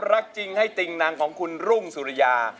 รักจริงให้ติงนางของคุณรุ่งสุริยา